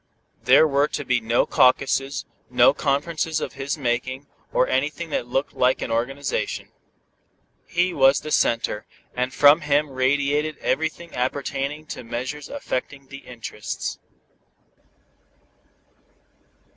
There were to be no caucuses, no conferences of his making, or anything that looked like an organization. He was the center, and from him radiated everything appertaining to measures affecting "the interests."